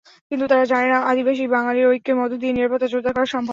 কিন্তু তাঁরা জানেন না, আদিবাসী-বাঙালির ঐক্যের মধ্য দিয়েই নিরাপত্তা জোরদার করা সম্ভব।